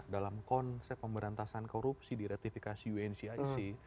dalam konsep pemberantasan korupsi di ratifikasi uncic